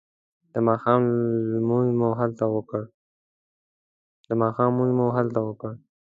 د ماښام لمونځ مو هلته وکړ.